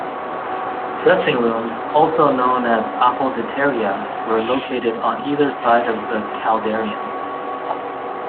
Dressing rooms, also known as apodyteria, were located on either side of the caldarium.